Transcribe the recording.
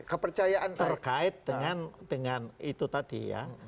kepercayaan terkait dengan itu tadi ya